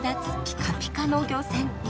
ピカピカの漁船。